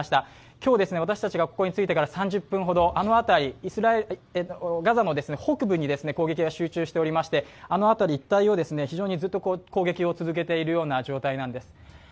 今日、私たちがここに着いてから３０分ほど、あの辺り、ガザの北部に攻撃が集中していましてあの辺り一帯を非常にずっと攻撃を続けているような状況なんです。